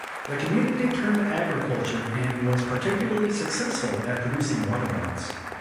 The community turned to agriculture and was particularly successful at producing watermelons.